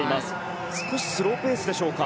少しスローペースでしょうか。